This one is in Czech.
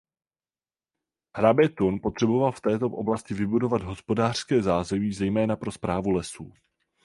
Hrabě Thun potřeboval v této oblasti vybudovat hospodářské zázemí zejména pro správu lesů.